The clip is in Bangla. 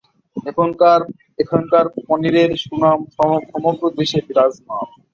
এখানকার পনিরের সুনাম সমগ্র দেশে বিরাজমান।